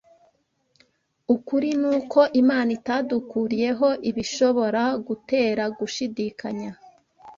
Ukuri ni uko Imana itadukuriyeho ibishobora gutera gushidikanya